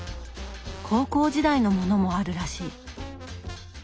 高校時代のものもあるらしい。